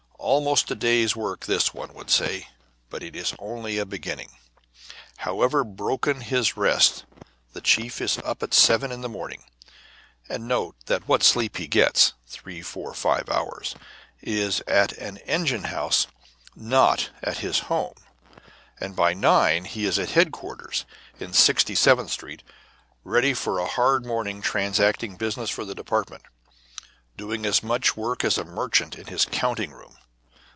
Almost a day's work this, one would say, but it is only a beginning. However broken his rest, the chief is up at seven in the morning and note that what sleep he gets, three, four, five hours, is at an engine house, not at his home and by nine he is at headquarters, in Sixty seventh Street, ready for a hard morning transacting business for the department, doing as much work as a merchant in his counting room.